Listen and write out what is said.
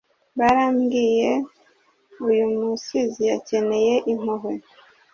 barambwiye uyu musizi akeneye impuhwe